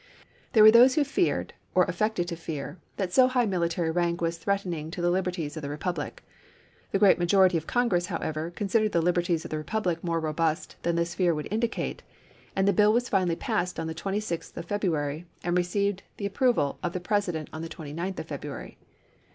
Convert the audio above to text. There were those who feared, or affected to fear, that so high military rank was threatening to the liberties of the republic. The great majority of Congress, however, considered the liberties of the republic more robust than this fear would indicate, and the bill was finally passed on the 26th of Feb ruary, and received the approval of the President GRANT GENEEAL IN CHIEF 335 on the 29th of February.